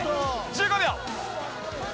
１５秒。